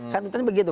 kan tentunya begitu